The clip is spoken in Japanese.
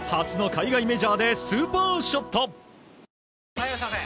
・はいいらっしゃいませ！